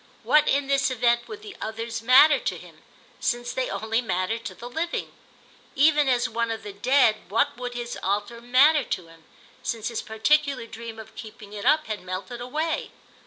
What in this event would the Others matter to him, since they only mattered to the living? Even as one of the Dead what would his altar matter to him, since his particular dream of keeping it up had melted away?